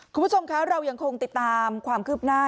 คุณผู้ชมคะเรายังคงติดตามความคืบหน้า